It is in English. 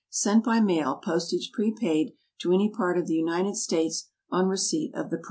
_Sent by mail, postage prepaid, to any part of the United States, on receipt of the price.